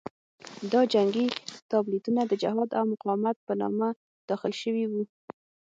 دا جنګي تابلیتونه د جهاد او مقاومت په نامه داخل شوي وو.